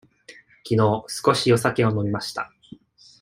きのう少しお酒を飲みました。